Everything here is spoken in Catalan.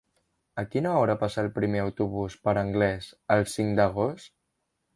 A quina hora passa el primer autobús per Anglès el cinc d'agost?